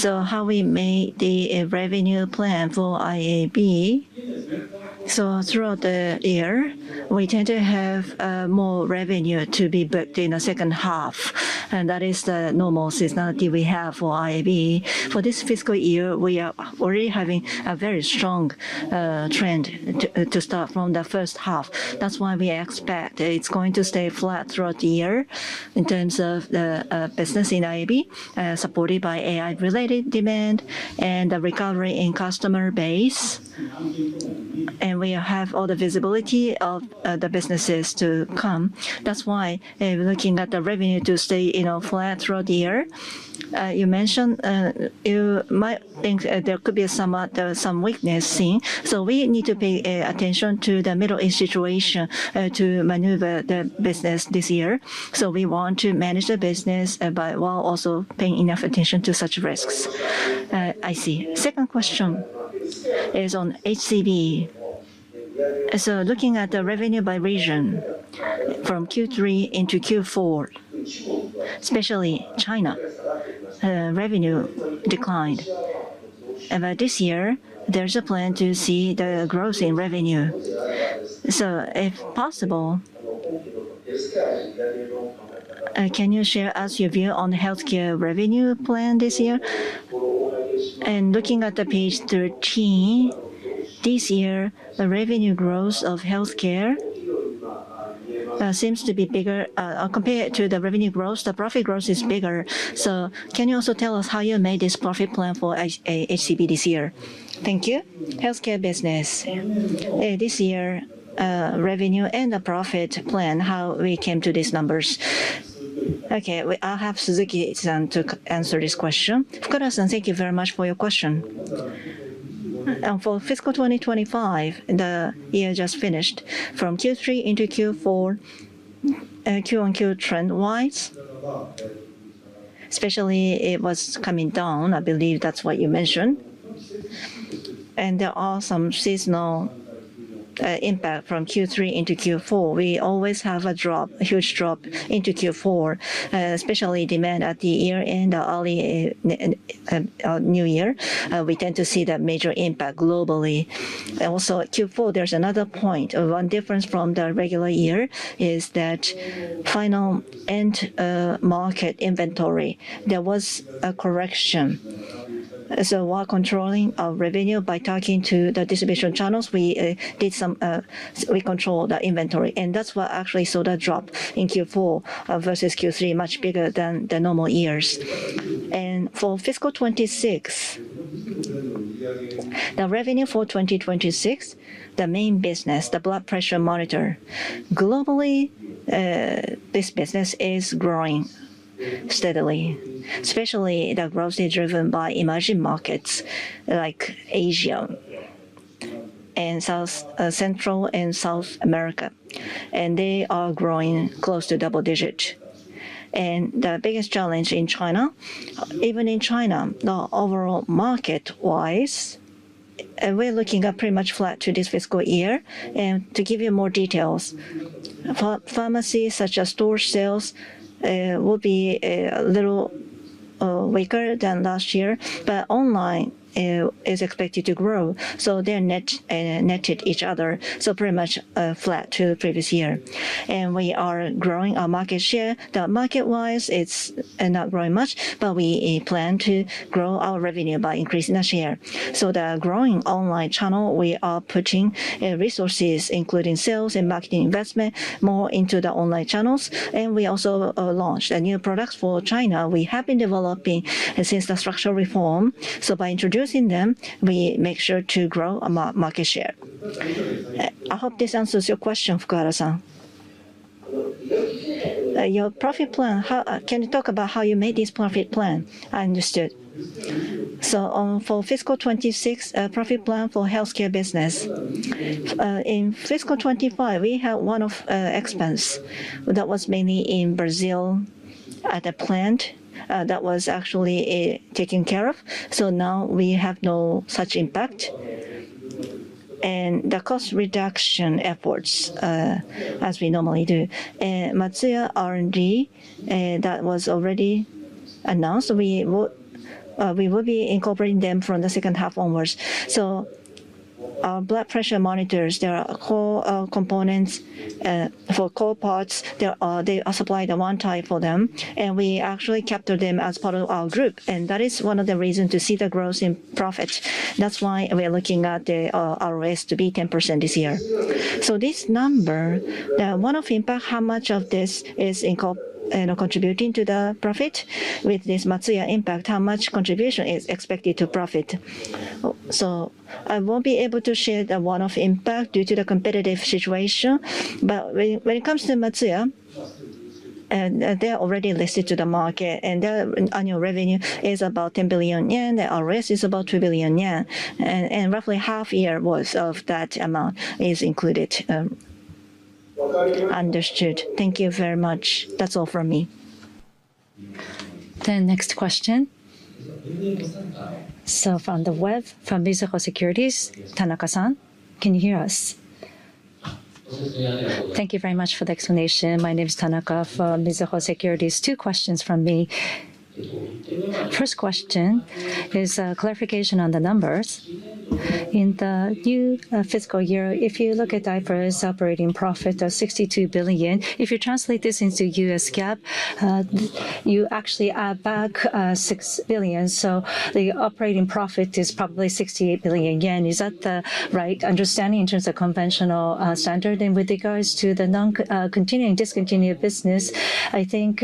How we made the revenue plan for IAB. Throughout the year we tend to have more revenue to be booked in the second half, and that is the normal seasonality we have for IAB. For this fiscal year, we are already having a very strong trend to start from the first half. That's why we expect that it's going to stay flat throughout the year in terms of the business in IAB, supported by AI related demand and the recovery in customer base. We have all the visibility of the businesses to come. That's why we're looking at the revenue to stay, you know, flat throughout the year. You mentioned, you might think, there could be some weakness seen. We need to pay attention to the Middle East situation to maneuver the business this year. We want to manage the business by, while also paying enough attention to such risks. I see. Second question is on HCB. Looking at the revenue by region from Q3 into Q4, especially China, revenue declined. This year there's a plan to see the growth in revenue. If possible, can you share us your view on healthcare revenue plan this year? Looking at page 13, this year the revenue growth of healthcare seems to be bigger. Compared to the revenue growth, the profit growth is bigger. Can you also tell us how you made this profit plan for HCB this year? Thank you. Healthcare business. This year, revenue and the profit plan, how we came to these numbers. Okay. I'll have Suzuki-san to answer this question. Fukuhara-san, thank you very much for your question. For fiscal 2025, the year just finished, from Q3 into Q4, Q-on-Q trend-wise, especially it was coming down. I believe that's what you mentioned. There are some seasonal impact from Q3 into Q4. We always have a drop, a huge drop into Q4, especially demand at the year-end or early new year. We tend to see that major impact globally. Also at Q4 there's another point. One difference from the regular year is that final end market inventory, there was a correction. While controlling our revenue by talking to the distribution channels, we did some, we control the inventory, that's why actually saw that drop in Q4 versus Q3 much bigger than the normal years. For fiscal 2026, the revenue for 2026, the main business, the blood pressure monitor. Globally, this business is growing steadily, especially the growth is driven by emerging markets like Asia and Central and South America. They are growing close to double-digit. The biggest challenge in China, even in China, the overall market-wise, we're looking at pretty much flat to this fiscal year. To give you more details, pharmacies such as store sales will be little weaker than last year, but online is expected to grow. They're net netted each other, so pretty much flat to previous year. We are growing our market share. The market-wise it's not growing much, but we plan to grow our revenue by increasing our share. The growing online channel, we are putting resources, including sales and marketing investment more into the online channels, and we also launched a new product for China we have been developing since the structural reform. By introducing them, we make sure to grow our market share. I hope this answers your question, Fukuhara-san. Your profit plan. How can you talk about how you made this profit plan? I understood. For FY2026, profit plan for healthcare business. In FY2025, we had one-off expense that was mainly in Brazil at a plant that was actually taken care of. Now we have no such impact. The cost reduction efforts, as we normally do. Matsuya R&D, that was already announced, we will, we will be incorporating them from the second half onwards. Our blood pressure monitors, there are core components. For core parts they supply the one type for them, and we actually capture them as part of our group. That is one of the reason to see the growth in profit. That's why we are looking at the our raise to be 10% this year. This number, the one-off impact, how much of this is you know, contributing to the profit with this Matsuya impact, how much contribution is expected to profit? I won't be able to share the one-off impact due to the competitive situation. When it comes to Matsuya, they're already listed to the market, and their annual revenue is about 10 billion yen. Their raise is about 3 billion yen. Roughly half year was of that amount is included. Understood. Thank you very much. That's all from me. The next question. From the web, from Mizuho Securities, Tanaka-san. Can you hear us? Thank you very much for the explanation. My name is Tanaka from Mizuho Securities. Two questions from me. First question is a clarification on the numbers. In the new fiscal year, if you look at diverse operating profit of 62 billion, if you translate this into US GAAP, you actually add back 6 billion. So the operating profit is probably 68 billion yen. Is that the right understanding in terms of conventional standard? With regards to the non-continuing discontinued business, I think,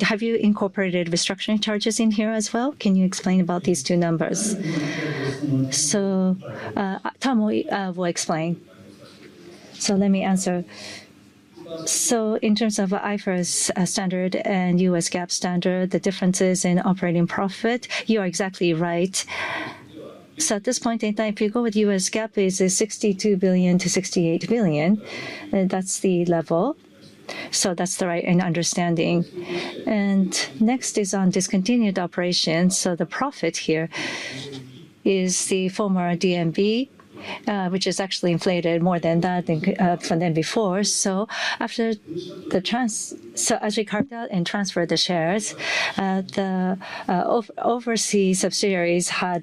have you incorporated restructuring charges in here as well? Can you explain about these two numbers? Tamoi will explain. Let me answer. In terms of IFRS standard and U.S. GAAP standard, the differences in operating profit, you are exactly right. At this point in time, if you go with US GAAP is 62 billion-68 billion. That's the level. That's the right understanding. Next is on discontinued operations. The profit here is the former DMB, which is actually inflated more than that from then before. As we carved out and transferred the shares, the overseas subsidiaries had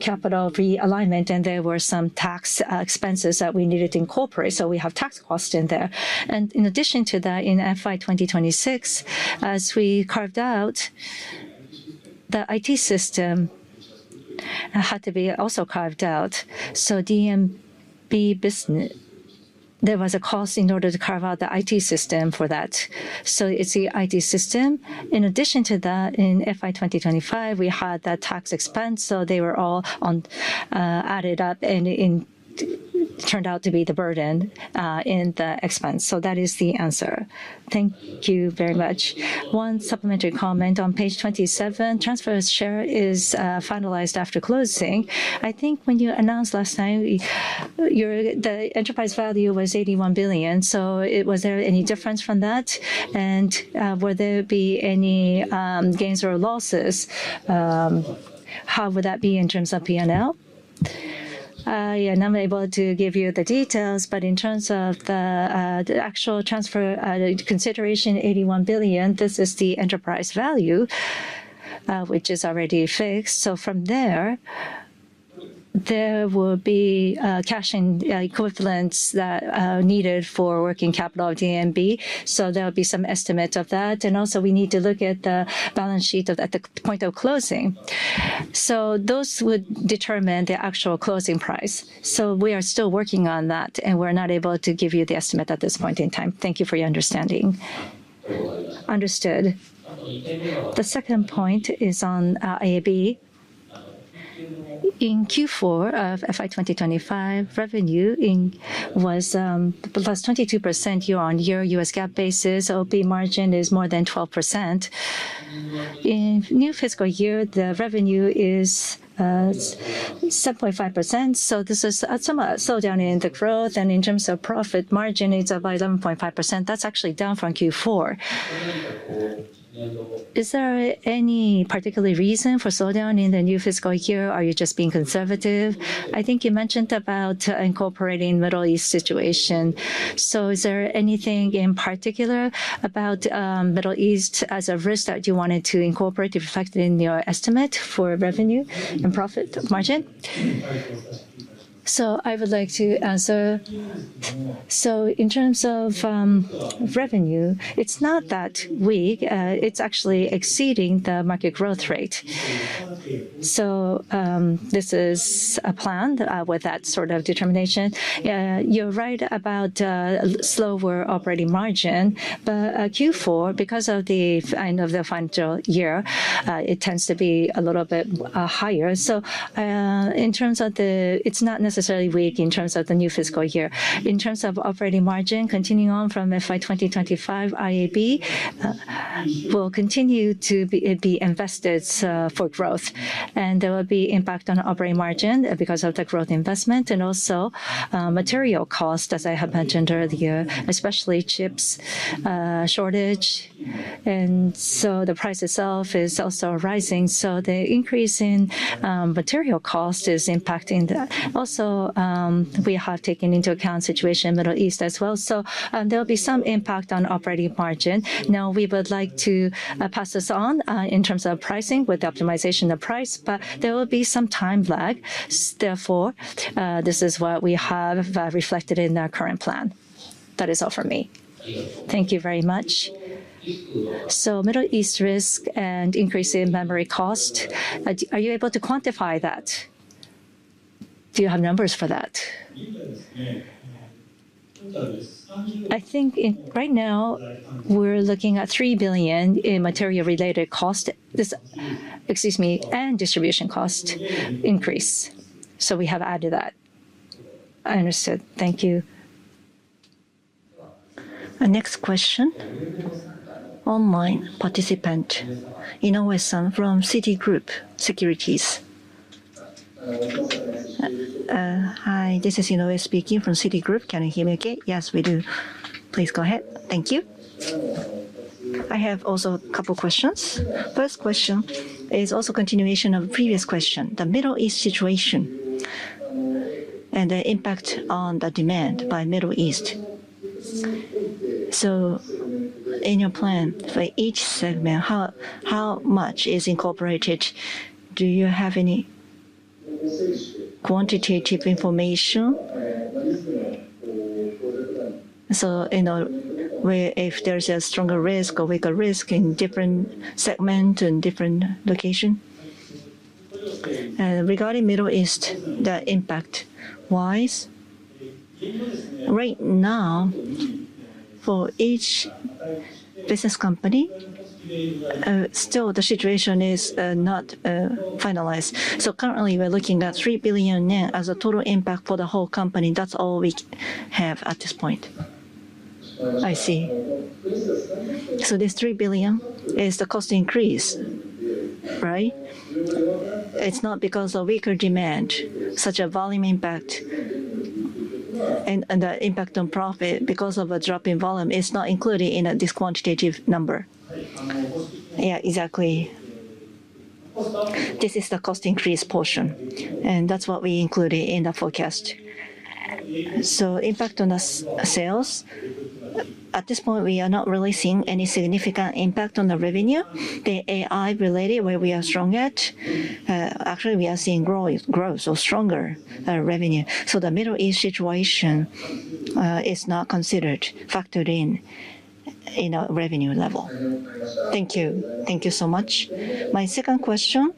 capital realignment, and there were some tax expenses that we needed to incorporate. We have tax costs in there. In addition to that, in FY2026, as we carved out, the IT system had to be also carved out. DMB business, there was a cost in order to carve out the IT system for that. It's the IT system. In addition to that, in FY2025 we had that tax expense, they were all added up and it turned out to be the burden in the expense. That is the answer. Thank you very much. One supplementary comment. On page 27, transfer of share is finalized after closing. I think when you announced last time, your, the enterprise value was 81 billion. Was there any difference from that? Will there be any gains or losses? How would that be in terms of P&L? I am unable to give you the details, but in terms of the actual transfer consideration, 81 billion, this is the enterprise value which is already fixed. From there will be cash and equivalents that are needed for working capital DMB. There'll be some estimate of that. We need to look at the balance sheet at the point of closing. Those would determine the actual closing price. We are still working on that, and we're not able to give you the estimate at this point in time. Thank you for your understanding. Understood. The second point is on IAB. In Q4 of FY2025, revenue was +22% year-on-year US GAAP basis. OP margin is more than 12%. In new fiscal year, the revenue is 7.5%, this is at some slowdown in the growth. In terms of profit margin, it's up by 11.5%. That's actually down from Q4. Is there any particular reason for slowdown in the new fiscal year? Are you just being conservative? I think you mentioned about incorporating Middle East situation. Is there anything in particular about Middle East as a risk that you wanted to incorporate, reflect in your estimate for revenue and profit margin? I would like to answer. In terms of revenue, it's not that weak. It's actually exceeding the market growth rate. This is a plan with that sort of determination. You're right about slower operating margin. Q4, because of the end of the financial year, it tends to be a little bit higher. It's not necessarily weak in terms of the new fiscal year. In terms of operating margin, continuing on from FY 2025, IAB will continue to be invested for growth. There will be impact on operating margin because of the growth investment and also, material cost, as I have mentioned earlier, especially chips shortage. The price itself is also rising. The increase in material cost is impacting the Also, we have taken into account situation Middle East as well. There'll be some impact on operating margin. We would like to pass this on in terms of pricing with optimization of price. There will be some time lag. This is what we have reflected in our current plan. That is all from me. Thank you very much. Middle East risk and increase in memory cost, are you able to quantify that? Do you have numbers for that? I think right now we're looking at 3 billion in material related cost. Excuse me, and distribution cost increase. We have added that. Understood. Thank you. The next question, online participant. Inoue-san from Citigroup Securities. Hi. This is Inoue speaking from Citigroup. Can you hear me okay? Yes, we do. Please go ahead. Thank you. I have also a couple questions. First question is also continuation of previous question. The Middle East situation and the impact on the demand by Middle East. In your plan for each segment, how much is incorporated? Do you have any quantitative information? You know, where if there's a stronger risk or weaker risk in different segment and different location. Regarding Middle East, the impact-wise, right now, for each business company, still the situation is not finalized. Currently we're looking at 3 billion yen as a total impact for the whole company. That's all we have at this point. I see. This 3 billion is the cost increase, right? It's not because of weaker demand, such a volume impact and the impact on profit because of a drop in volume. It's not included in this quantitative number. Yeah, exactly. This is the cost increase portion, and that's what we included in the forecast. Impact on the sales. At this point we are not really seeing any significant impact on the revenue. The AI related, where we are strong at, actually we are seeing growth, so stronger revenue. The Middle East situation is not considered factored in revenue level. Thank you. Thank you so much. My second question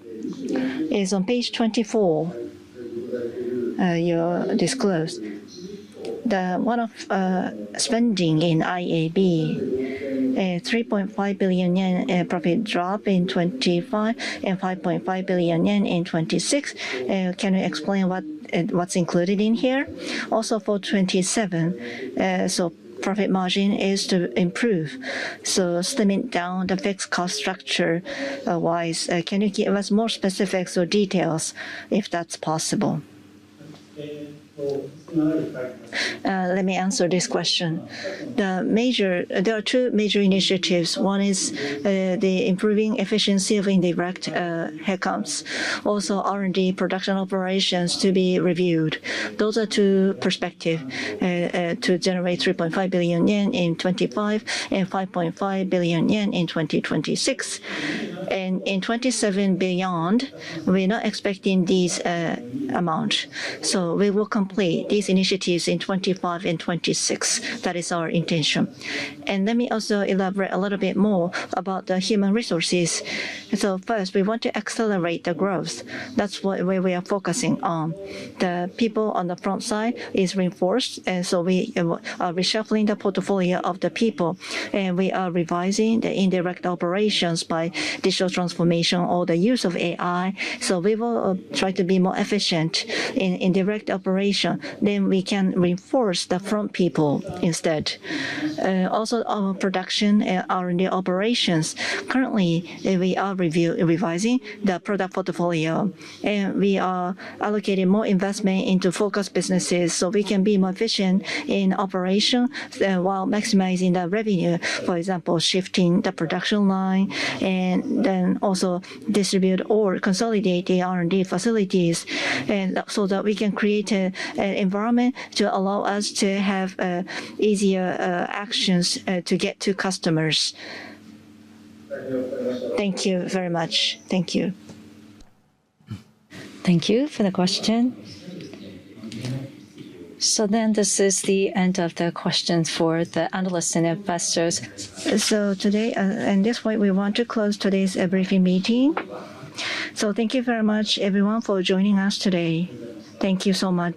is on page 24, you disclose the one of spending in IAB, 3.5 billion yen profit drop in FY 2025 and 5.5 billion yen in FY 2026. Can you explain what's included in here? Also for 2027, profit margin is to improve. Slimming down the fixed cost structure wise, can you give us more specifics or details if that's possible? Let me answer this question. There are two major initiatives. One is the improving efficiency of indirect headcounts. Also R&D production operations to be reviewed. Those are two perspectives to generate 3.5 billion yen in 2025 and 5.5 billion yen in 2026. In 2027 beyond, we're not expecting these amounts. We will complete these initiatives in 2025 and 2026. That is our intention. Let me also elaborate a little bit more about the human resources. First, we want to accelerate the growth. That's what where we are focusing on. The people on the front side is reinforced. We are reshuffling the portfolio of the people and we are revising the indirect operations by digital transformation or the use of AI. We will try to be more efficient in direct operation. We can reinforce the front people instead. Also our production and R&D operations. Currently, we are revising the product portfolio, and we are allocating more investment into focus businesses so we can be more efficient in operation while maximizing the revenue. For example, shifting the production line, also distribute or consolidate the R&D facilities so that we can create an environment to allow us to have easier actions to get to customers. Thank you very much. Thank you. Thank you for the question. This is the end of the questions for the analysts and investors. Today, at this point, we want to close today's briefing meeting. Thank you very much everyone for joining us today. Thank you so much.